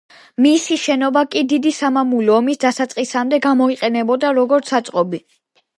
მისი შენობა კი დიდი სამამულო ომის დასაწყისამდე გამოიყენებოდა როგორც საწყობი.